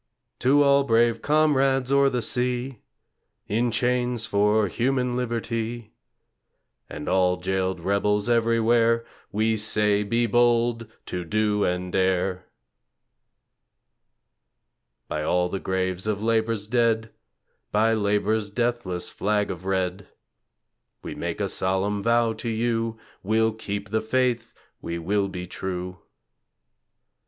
To all brave comrades o'er the sea, In chains for human liberty, And all jailed rebels everywhere We say: be bold to do and dare! By all the graves of Labor's dead, By Labor's deathless flag of red, We make a solemn vow to you, We'll keep the faith; we will be true.